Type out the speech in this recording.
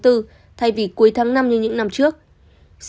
thay vì cuối tháng năm như những năm trước